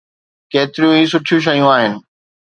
ڪيتريون ئي سٺيون شيون آهن.